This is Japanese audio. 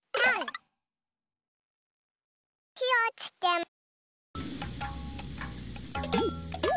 ひをつけます。